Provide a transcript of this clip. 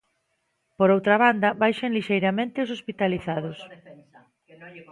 Por outra banda, baixan lixeiramente os hospitalizados.